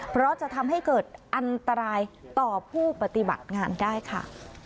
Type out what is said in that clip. เพราะจะทำให้เกิดอันตรายต่อผู้ปฏิบัติงานได้ค่ะ